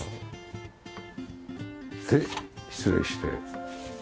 失礼して。